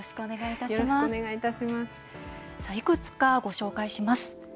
いくつか、ご紹介します。